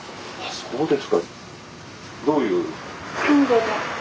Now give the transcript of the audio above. そうです。